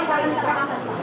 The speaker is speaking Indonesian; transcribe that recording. ini ada apa apa